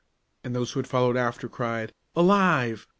and those who followed after cried, "Alive!